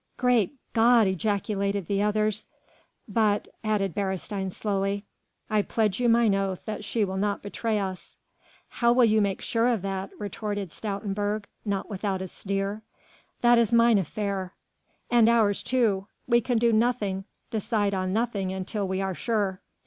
"Great God!" ejaculated the others. "But," added Beresteyn slowly, "I pledge you mine oath that she will not betray us." "How will you make sure of that?" retorted Stoutenburg, not without a sneer. "That is mine affair." "And ours too. We can do nothing, decide on nothing until we are sure."